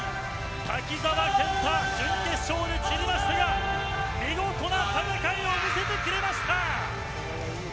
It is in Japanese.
瀧澤謙太、準決勝で散りましたが見事な戦いを見せてくれました。